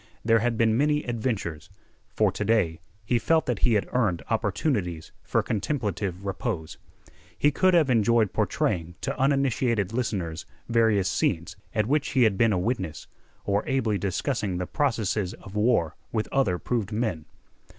There had been many adventures. For to day he felt that he had earned opportunities for contemplative repose. He could have enjoyed portraying to uninitiated listeners various scenes at which he had been a witness or ably discussing the processes of war with other proved men.